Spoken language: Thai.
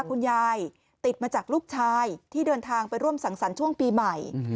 คุณยายติดมาจากลูกชายที่เดินทางไปร่วมสังสรรค์ช่วงปีใหม่